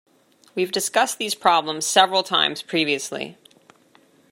We've discussed these problems several times previously